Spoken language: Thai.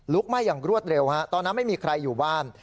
ไหม้อย่างรวดเร็วฮะตอนนั้นไม่มีใครอยู่บ้าน